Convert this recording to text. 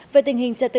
về tình hình trận tự án